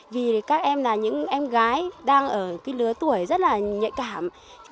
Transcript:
vì các em là những em gái đang ở lứa tuổi rất là nhạy cảm